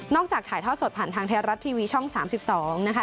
จากถ่ายทอดสดผ่านทางไทยรัฐทีวีช่อง๓๒นะคะ